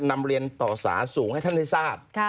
นำเรียนต่อสารสูงให้ท่านได้ทราบ